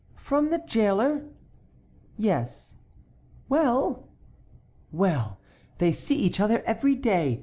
"From the jailer?" "Yes." "Well?" "Well! They see each other every day.